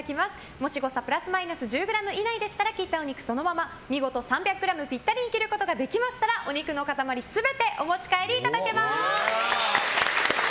もし誤差プラスマイナス１０ｇ以内でしたら切ったお肉をそのまま見事３００ｇぴったりに切ることができましたらお肉の塊全てお持ち帰りいただけます。